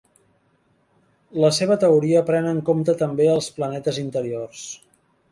La seva teoria pren en compte també els planetes interiors: